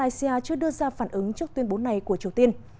hiện phía malaysia chưa đưa ra phản ứng trước tuyên bố này của triều tiên